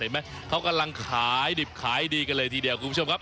ไหมเขากำลังขายดิบขายดีกันเลยทีเดียวคุณผู้ชมครับ